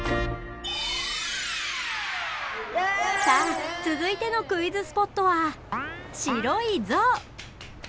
さあ続いてのクイズスポットは「白い像」。